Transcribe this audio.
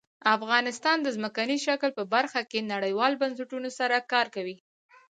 افغانستان د ځمکنی شکل په برخه کې نړیوالو بنسټونو سره کار کوي.